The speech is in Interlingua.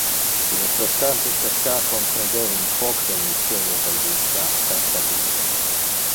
Il es bastante cercar comprender un poc del mysterio del vita cata die.